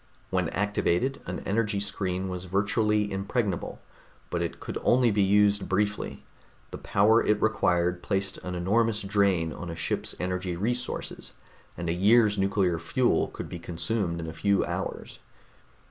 When activated, an energy screen was virtually impregnable, but it could only be used briefly; the power it required placed an enormous drain on a ship's energy resources, and a year's nuclear fuel could be consumed in a few hours.